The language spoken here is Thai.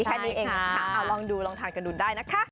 แค่นี้เองนะคะเอาลองดูลองทานกันดูได้นะคะ